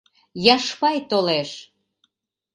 Яшпай толеш.